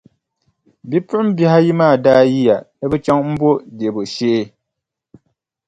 Bipuɣimbihi ayi maa daa yiya ni bɛ chaŋ m-bo Debo shee.